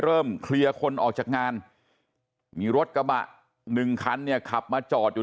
เริ่มเคลียร์คนออกจากงานมีรถกระบะหนึ่งคันเนี่ยขับมาจอดอยู่